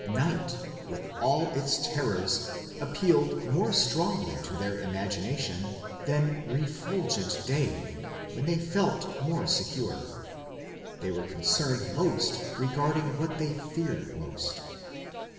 Night with all its terrors appealed more strongly to their imaginations than refulgent day when they felt more secure; they were concerned most regarding what they feared most.